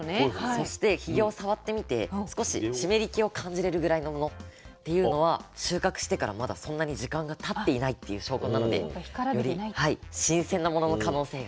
そしてひげを触ってみて少し湿り気を感じれるぐらいのものっていうのは収穫してからまだそんなに時間がたっていないっていう証拠なのでより新鮮なものの可能性が高いです。